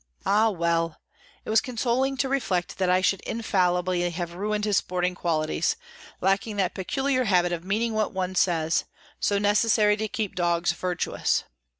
Ah! well; it is consoling to reflect that I should infallibly have ruined his sporting qualities, lacking that peculiar habit of meaning what one says, so necessary to keep dogs virtuous.